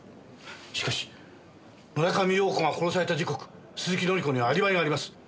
しかし村上陽子が殺された時刻鈴木紀子にはアリバイがあります。